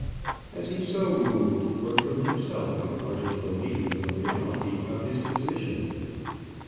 And as he so moved, Bertram himself could hardly believe in the reality of his position.